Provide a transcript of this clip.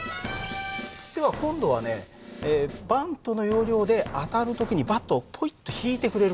では今度はねバントの要領で当たる時にバットをポイッと引いてくれるかな。